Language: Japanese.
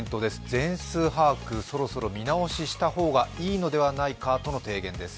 全数把握、そろそろ見直しした方がいいのではないかという提言です。